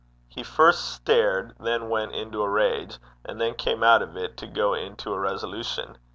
He first stared, then went into a rage, and then came out of it to go into a resolution.